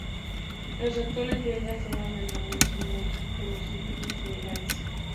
Los actuales Bengals tomaron el nombre de su antiguo equipo; los Cincinnati Bengals.